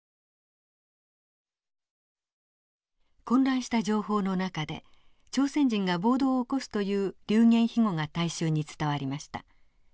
混乱した情報の中で「朝鮮人が暴動を起こす」という流言飛語が大衆に伝わりました。